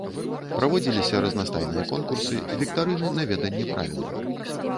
Праводзіліся разнастайныя конкурсы, віктарыны на веданне правілаў.